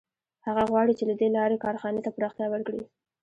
هغه غواړي چې له دې لارې کارخانې ته پراختیا ورکړي